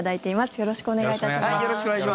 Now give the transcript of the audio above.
よろしくお願いします。